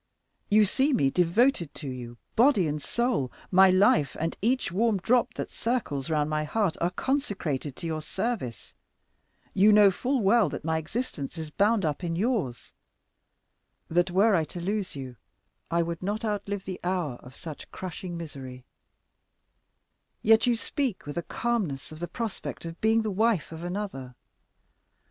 You see me devoted to you, body and soul, my life and each warm drop that circles round my heart are consecrated to your service; you know full well that my existence is bound up in yours—that were I to lose you I would not outlive the hour of such crushing misery; yet you speak with calmness of the prospect of your being the wife of another!